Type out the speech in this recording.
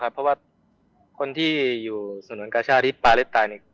เพราะว่าคนที่อยู่สนวนกาชาที่ปราเล็ตไตนิก